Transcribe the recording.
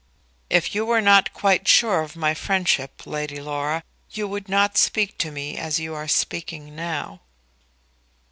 "If you were not quite sure of my friendship, Lady Laura, you would not speak to me as you are speaking now."